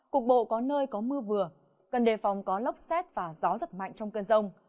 cục bộ có nơi có mưa vừa cần đề phòng có lốc xét và gió giật mạnh trong cơn rông